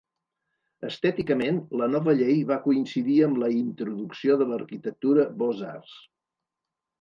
Estèticament, la Nova Llei va coincidir amb la introducció de l'arquitectura Beaux Arts.